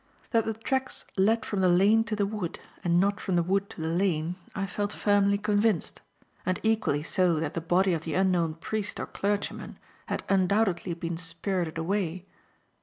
That the tracks led from the lane to the wood and not from the wood to the lane, I felt firmly convinced; and equally so that the body of the unknown priest or clergyman had undoubtedly been spirited away.